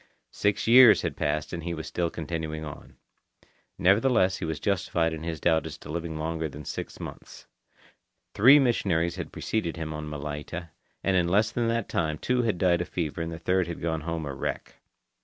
Six years had passed and he was still continuing on. Nevertheless he was justified in his doubt as to living longer than six months. Three missionaries had preceded him on Malaita, and in less than that time two had died of fever and the third had gone home a wreck.